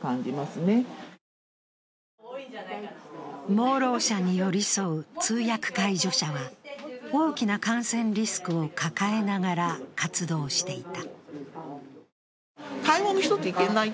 盲ろう者に寄り添う通訳介助者は大きな感染リスクを抱えながら活動していた。